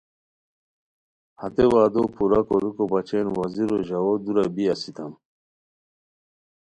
ہتے وعدو پورا کوریکو بچین وزیرو ژاوؤ دورا بی اسیتام